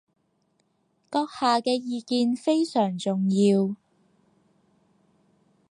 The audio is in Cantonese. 閣下嘅意見非常重要